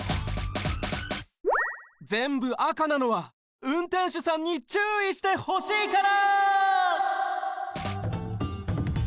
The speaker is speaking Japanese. ぜんぶ赤なのはうんてんしゅさんにちゅういしてほしいから！